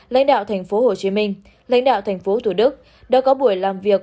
lãnh đạo thành phố hồ chí minh lãnh đạo thành phố thủ đức đã có buổi làm việc